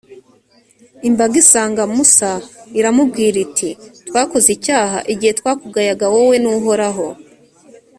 imbaga iza isanga musa, iramubwira iti twakoze icyaha igihe twakugayaga wowe n’uhoraho.